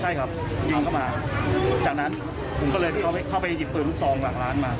ใช่ครับยิงเข้ามาจากนั้นผมก็เลยเข้าไปหยิบปืนลูกซองหลังร้านมา